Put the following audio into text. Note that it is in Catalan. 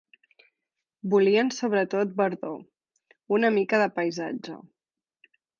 Volien sobre tot verdor: una mica de paisatge